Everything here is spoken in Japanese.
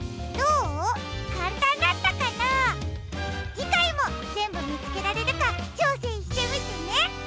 じかいもぜんぶみつけられるかちょうせんしてみてね！